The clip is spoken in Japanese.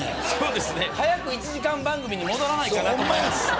そうですね早く１時間番組に戻らないかなと思います